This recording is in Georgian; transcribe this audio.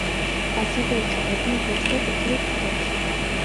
ასევე იყენებდნენ ლურჯ და ყვითელ ფერებს.